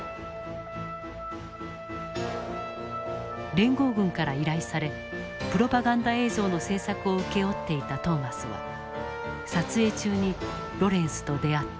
連合軍から依頼されプロパガンダ映像の制作を請け負っていたトーマスは撮影中にロレンスと出会った。